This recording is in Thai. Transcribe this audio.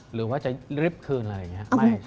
หรือว่าจะรีบคืนอะไรอย่างนี้